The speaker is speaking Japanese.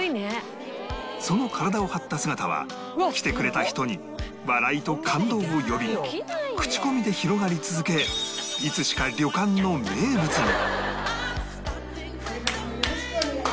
その体を張った姿は来てくれた人に笑いと感動を呼び口コミで広がり続けいつしか旅館の名物に